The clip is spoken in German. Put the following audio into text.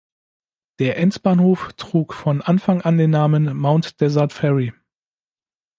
Der Endbahnhof trug von Anfang an den Namen "Mount Desert Ferry".